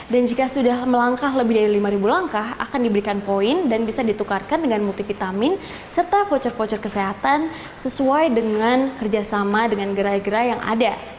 dan jika sudah melangkah lebih dari lima langkah akan diberikan poin dan bisa ditukarkan dengan multivitamin serta voucher voucher kesehatan sesuai dengan kerjasama dengan gerai gerai yang ada